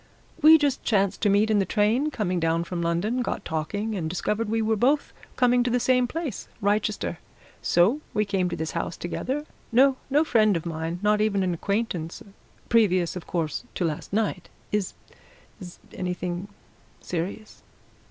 "We just chanced to meet in the train coming down from London, got talking, and discovered we were both coming to the same place Wrychester. So we came to this house together. No no friend of mine not even an acquaintance previous, of course, to last night. Is is it anything serious?"